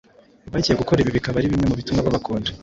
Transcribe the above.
bagiye gukora ibi bikaba ari bimwe mu bituma babakunda